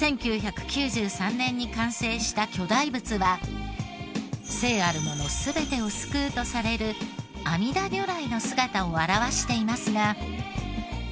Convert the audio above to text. １９９３年に完成した巨大仏は生あるもの全てを救うとされる阿弥陀如来の姿を表していますが。